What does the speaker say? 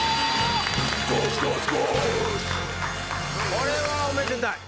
これはおめでたい。